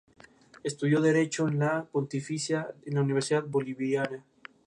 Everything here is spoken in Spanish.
Estudió derecho en la Pontificia Universidad Bolivariana.